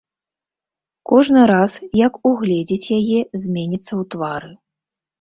Кожны раз, як угледзіць яе, зменіцца ў твары.